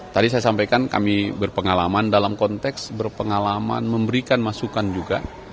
tadi saya sampaikan kami berpengalaman dalam konteks berpengalaman memberikan masukan juga